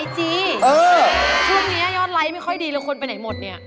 ช่วงนี้ยอดไลค์ไม่ค่อยดีแล้วคนไปไหนหมดเนี่ย